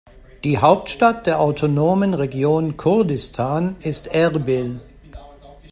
Die Hauptstadt der autonomen Region Kurdistan ist Erbil.